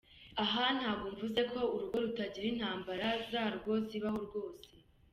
Aha ntabwo mvuze ko urugo rutagira intambara zarwo, zibaho rwose.